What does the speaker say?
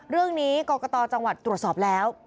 เรื่องนี้กรกฎจตรวจสอบแล้ว